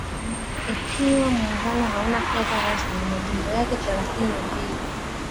Ingawa Muungano hauna lugha rasmi majimbo yake thelathini na mbili